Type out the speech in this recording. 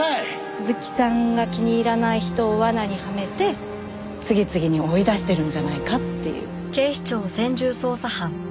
鈴木さんが気に入らない人を罠にはめて次々に追い出してるんじゃないかっていう。